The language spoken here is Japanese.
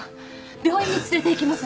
病院に連れていきます。